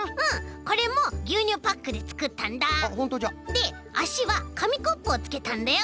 であしはかみコップをつけたんだよ。